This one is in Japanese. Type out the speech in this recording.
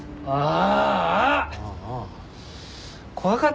ああ。